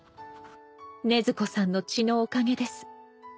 「禰豆子さんの血のおかげです」